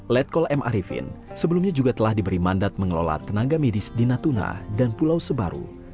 letkol m arifin sebelumnya juga telah diberi mandat mengelola tenaga medis di natuna dan pulau sebaru